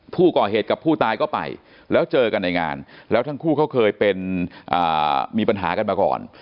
ผู้ก่อเหตุกับผู้ตายก็ไปแล้วเจอกันในงานแล้วทั้งคู่เขาเคยเป็นมีปัญหากันมาก่อน